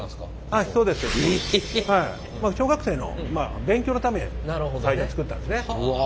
はいそうです。小学生の勉強のため最初作ったんですね。